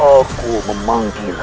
aku memanggil kalian